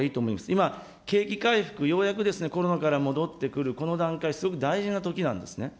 今、景気回復、ようやくですね、コロナから戻ってくる、この段階、すごく大事なときなんですね。